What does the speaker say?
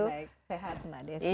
sehat mbak desi